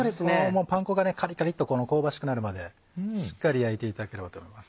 パン粉がカリカリっと香ばしくなるまでしっかり焼いていただければと思います。